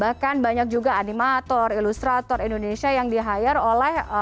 bahkan banyak juga animator ilustrator indonesia yang di hire oleh